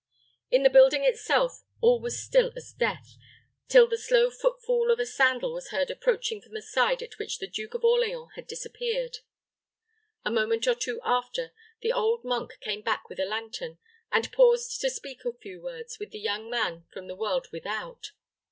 In the building itself all was still as death, till the slow footfall of a sandal was heard approaching from the side at which the Duke of Orleans had disappeared. A moment or two after, the old monk came back with a lantern, and paused to speak a few words with the young man from the world without.